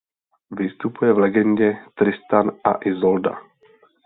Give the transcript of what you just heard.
Vystupuje v legendě "Tristan a Isolda".